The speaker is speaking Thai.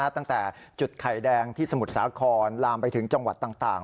ตั้งแต่จุดไข่แดงที่สมุทรสาครลามไปถึงจังหวัดต่าง